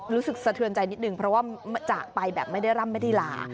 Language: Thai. สะเทือนใจนิดนึงเพราะว่าจากไปแบบไม่ได้ร่ำไม่ได้ลา